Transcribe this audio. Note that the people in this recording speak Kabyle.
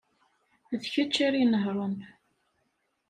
D kečč ara inehṛen.